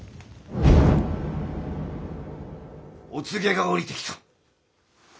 お告げが降りてきた。